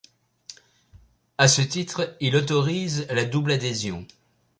À ce titre, il autorise la double adhésion.